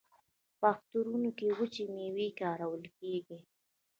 په اخترونو کې وچې میوې کارول کیږي.